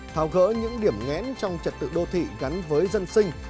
thảo gỡ những điểm ngén trong trật tự đô thị gắn với dân sinh